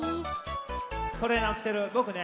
トレーナーきてるぼくね。